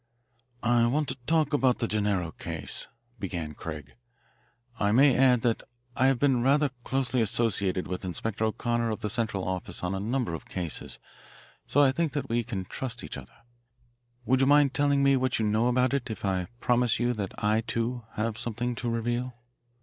"I want to talk about the Gennaro case," began Craig. "I may add that I have been rather closely associated with Inspector O'Connor of the Central Office on a number of cases, so that I think we can trust each other. Would you mind telling me what you know about it if I promise you that I, too, have something to reveal?"